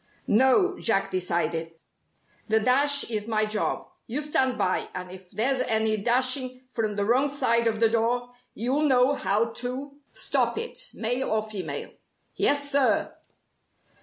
"No," Jack decided, "the dash is my job. You stand by, and if there's any dashing from the wrong side of the door, you'll know how to stop it, male or female." "Yes, sir!"